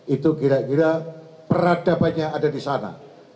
itu kira kira peradabannya ada di sana